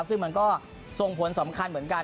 ซึ่งมันก็ส่งผลสำคัญเหมือนกัน